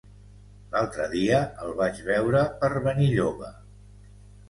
L'altre dia el vaig veure per Benilloba.